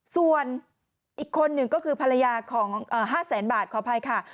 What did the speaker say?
ส่วนอีกคนหนึ่งก็คือภรรยาของ๕แสนบาทขออภัยค่ะ